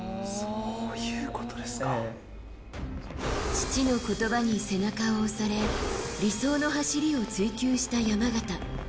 父の言葉に背中を押され理想の走りを追求した山縣。